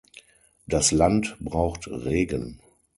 Das Land braucht Regen.